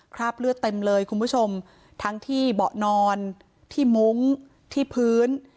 คราบเลือดเต็มเลยคุณผู้ชมทั้งที่เบาะนอนที่มุ้งที่พื้น